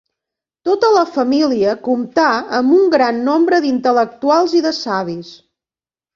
Tota la família comptà amb un gran nombre d'intel·lectuals i de savis.